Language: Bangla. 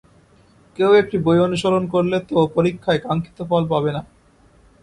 কেউ একটি বই অনুসরণ করলে তো পরীক্ষায় কাঙ্ক্ষিত ফল পাবে না।